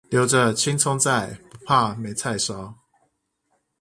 留著青蔥在，不怕沒菜燒